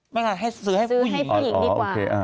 ไม่ค่ะซื้อให้ผู้หญิงดีกว่า